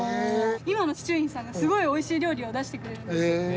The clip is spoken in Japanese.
今の司厨員さんがすごいおいしい料理を出してくれるんですよ。